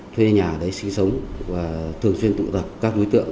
thuê nhà ở đấy sinh sống và thường xuyên tụ tập các đối tượng